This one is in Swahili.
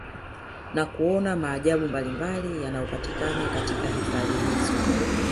Na kuona maajabu mbalimbali yanayopatikana katika hifadhi hizo